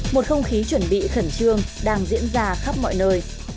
một không khí chuẩn bị khẩn trương đang diễn ra khắp mọi nơi